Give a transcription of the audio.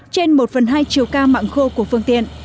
trên một phần hai chiều cao mạng khô của phương tiện